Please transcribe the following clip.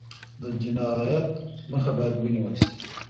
د جنايت مخه بايد ونيول سي.